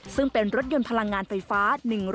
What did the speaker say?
ซึ่งเป็นรถยนต์พลังงานไฟฟ้า